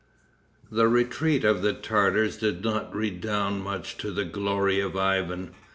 The retreat of the Tartars did not redound much to the glory of Ivan.